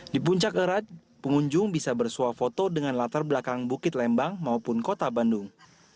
di puncak erat pengunjung bisa bersuah foto dengan latar belakang bukit lembang maupun kota bandung